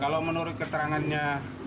kalau menurut keterangannya